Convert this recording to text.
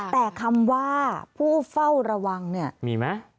แต่คำว่าผู้เฝ้าระวังเนี่ยมีไหม